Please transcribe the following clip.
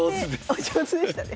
お上手でしたね。